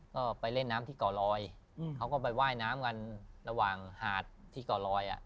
ก็ไปเล่นน้ำที่ก่อลอยเขาก็ไปว่ายน้ำกันระหว่างหาดที่ก่อลอย